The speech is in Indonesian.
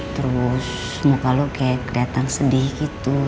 terus muka lo kayak keliatan sedih gitu